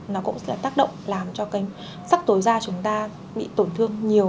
nó cũng sẽ tác động làm cho cái sắc tối da chúng ta bị tổn thương nhiều